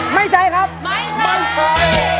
ไม่ใช่ครับไม่ใช้